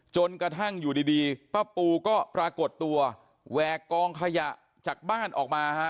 จนกระทั่งอยู่ดีป้าปูก็ปรากฏตัวแหวกกองขยะจากบ้านออกมาฮะ